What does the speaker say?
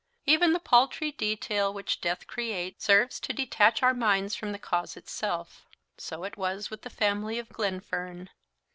Even the paltry detail which death creates serves to detach out minds from the cause itself. So it was with the family of Glenfern.